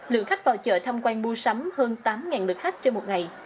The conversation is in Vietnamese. lượng khách vào chợ tham quan mua sắm hơn tám lượt khách trên một ngày